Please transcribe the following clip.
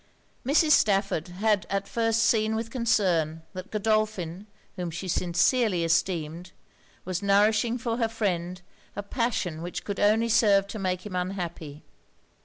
Mrs. Stafford had at first seen with concern that Godolphin, whom she sincerely esteemed, was nourishing for her friend a passion which could only serve to make him unhappy.